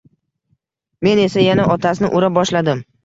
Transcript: Men esa yana otasini ura boshladim